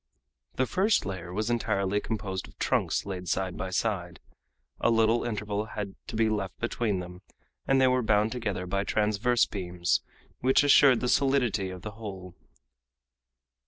The first layer was entirely composed of trunks laid side by side. A little interval had to be left between them, and they were bound together by transverse beams, which assured the solidity of the whole.